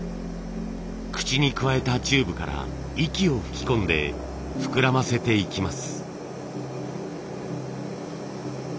口に加えたチューブから息を吹き込んで膨らませていきます。